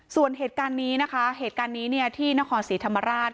ส่วนเหตุการณ์นี้นะคะเหตุการณ์นี้เนี่ยที่นครศรีธรรมราช